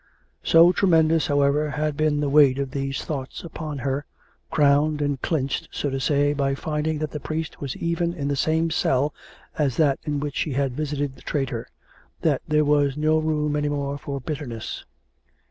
So tremendous, however, had been the weight of these thoughts upon her, crowned and clinched (so to say) by finding that the priest was even in the same cell as that in which she had visited the traitor, that there was no room any more for bitterness.